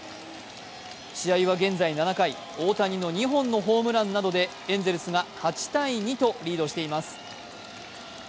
試合は現在、７回、大谷の２本のホームランなどでエンゼルスが８−２とリードしています。